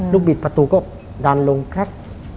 ลูกบิดประตูก็ดันลงแปล้ก